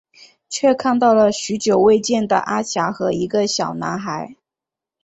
却看到了许久未见的阿霞和一个小男孩。